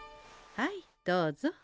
はいどうぞ。